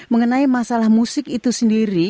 mengenai masalah musik itu sendiri